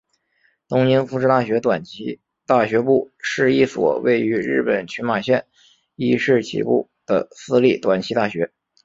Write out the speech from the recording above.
东京福祉大学短期大学部是一所位于日本群马县伊势崎市的私立短期大学。